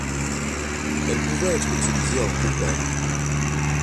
Elle pouvait être utilisée en couplage.